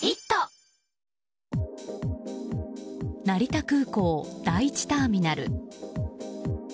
成田空港第１ターミナル。